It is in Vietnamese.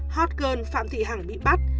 hot girl phạm thị hằng bị bắt